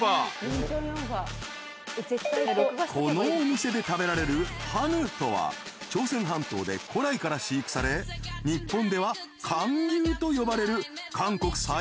［このお店で食べられる韓牛とは朝鮮半島で古来から飼育され日本では韓牛と呼ばれる韓国最高級のブランド牛］